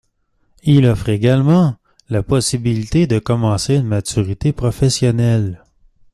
Il offre également la possibilité de commencer une maturité professionnelle.